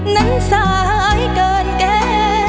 นั้นสายเกินแก